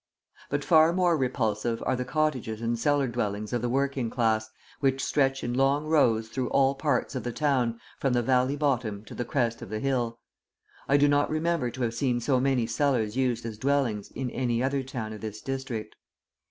But far more repulsive are the cottages and cellar dwellings of the working class, which stretch in long rows through all parts of the town from the valley bottom to the crest of the hill. I do not remember to have seen so many cellars used as dwellings in any other town of this district.